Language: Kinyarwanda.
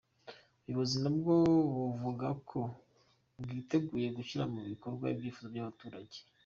Ubuyobozi nabwo bukavuga ko bwiteguye gushyira mu bikorwa ibyifuzo by’abaturage.